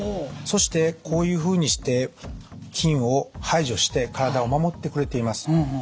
そしてこういうふうにして菌を排除して体を守ってくれています。